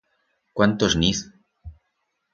Cuán tos n'iz?